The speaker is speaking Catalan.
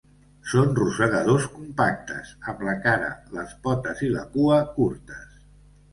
Són rosegadors compactes, amb la cara, les potes i la cua curtes.